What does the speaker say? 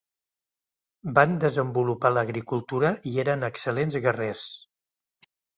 Van desenvolupar l'agricultura i eren excel·lents guerrers.